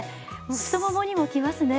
太ももにもきますね。